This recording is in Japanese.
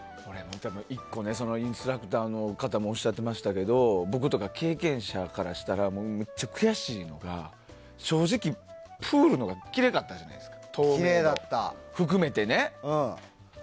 １個、インストラクターの方もおっしゃってましたけど僕とか経験者からしたらめっちゃ悔しいのが正直、プールのがきれいだったじゃないですか。